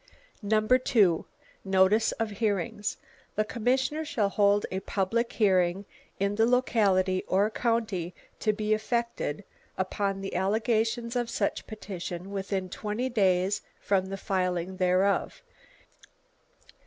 2. Notice of hearings. The commission shall hold a public hearing in the locality or county to be affected upon the allegations of such petition within twenty days from the filing thereof.